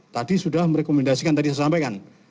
tadi sudah merekomendasikan tadi saya sampaikan